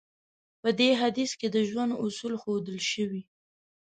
په دې حديث کې د ژوند اصول ښودل شوی.